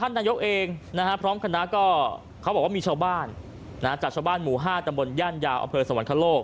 ท่านนายกเองพร้อมคณะก็เขาบอกว่ามีชาวบ้านจากชาวบ้านหมู่๕ตำบลย่านยาวอำเภอสวรรคโลก